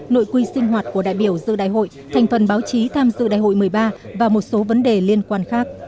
nội quy sinh hoạt của đại biểu dự đại hội thành phần báo chí tham dự đại hội một mươi ba và một số vấn đề liên quan khác